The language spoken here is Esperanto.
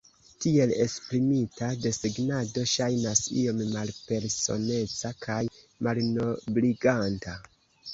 Tiel esprimita, desegnado ŝajnas iom malpersoneca kaj malnobliganta.